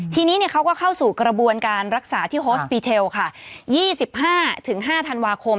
ทีนี้เนี่ยเขาก็เข้าสู่กระบวนการรักษาที่ฮอสปีเทลค่ะยี่สิบห้าถึงห้าธันวาคม